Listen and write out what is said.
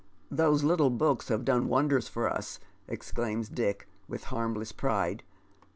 _'' Those little books have done wonders for us," exclaims Dick, with harmless pride.